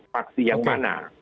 faksi yang mana